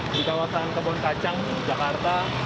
di kawasan kebon kacang jakarta